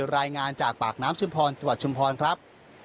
รายงานจากปากน้ำชุมพรจังหวัดชุมพรครับ